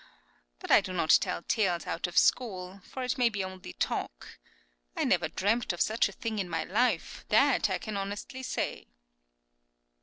But do not tell tales out of school, for it may be only talk. I never dreamt of such a thing in my life; that I can honestly say.